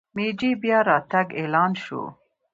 مېجي بیا راتګ اعلان شو.